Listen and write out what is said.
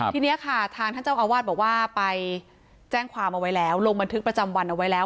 ทีนี้ค่ะทางท่านเจ้าอาวาสบอกว่าไปแจ้งความเอาไว้แล้วลงบันทึกประจำวันเอาไว้แล้ว